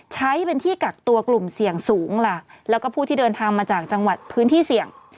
ใช้เป็นที่กักตัวกลุ่มเสี่ยงสูงล่ะแล้วก็ผู้ที่เดินทางมาจากจังหวัดพื้นที่เสี่ยง